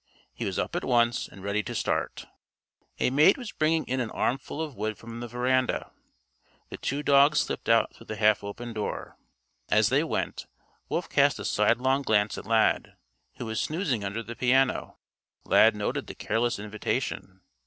He was up at once and ready to start. A maid was bringing in an armful of wood from the veranda. The two dogs slipped out through the half open door. As they went, Wolf cast a sidelong glance at Lad, who was snoozing under the piano. Lad noted the careless invitation.